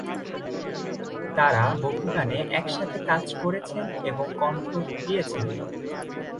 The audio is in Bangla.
তারা বহু গানে একসাথে কাজ করেছেন এবং কন্ঠ দিয়েছেন।